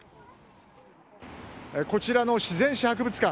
こちらの自然史博物館。